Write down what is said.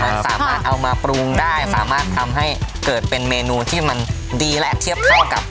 มันสามารถเอามาปรุงได้สามารถทำให้เกิดเป็นเมนูที่มันดีและเทียบข้อกับ